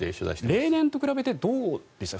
例年と比べてどうでした？